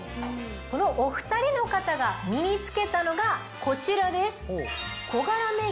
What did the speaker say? このお２人の方が身に着けたのがこちらです。